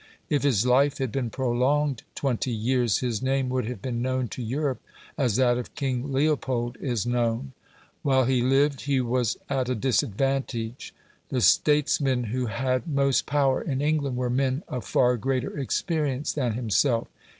If his life had been prolonged twenty years, his name would have been known to Europe as that of King Leopold is known. While he lived he was at a disadvantage. The statesmen who had most power in England were men of far greater experience than himself.